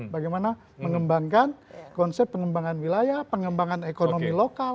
bagaimana mengembangkan konsep pengembangan wilayah pengembangan ekonomi lokal